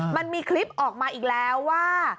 มันมีคลิปออกมาอีกแล้วว่า